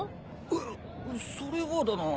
うっそれはだな。